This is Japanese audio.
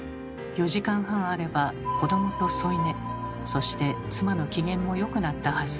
４時間半あれば子どもと添い寝そして妻の機嫌も良くなったはず。